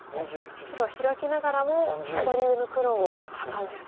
白はヒラきながらも左上の黒をハサんでると。